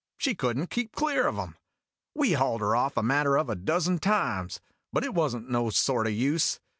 She could n't keep clear of 'em. We hauled her off a matter of a dozen times, but it was n't no sort o' use.